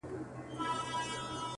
• د قسمت کارونه ګوره بوډا جوړ سو,